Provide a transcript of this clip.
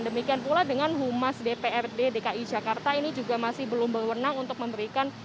demikian pula dengan humas dprd dki jakarta ini juga masih belum berwenang untuk memberikan